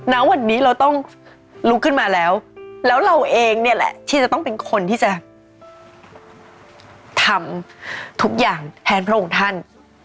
ณวันนี้เราต้องลุกขึ้นมาแล้วแล้วเราเองเนี่ยแหละที่จะต้องเป็นคนที่จะทำทุกอย่างแทนพระองค์ท่าน